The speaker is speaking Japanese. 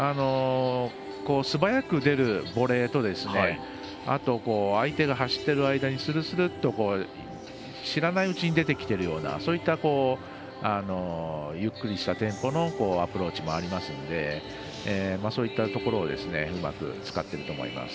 素早く出るボレーと相手が走ってる間にするすると知らないうちに出てきているようなそういったゆっくりしたテンポのアプローチもありますのでそういったところをうまく使っていると思います。